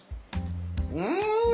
うん！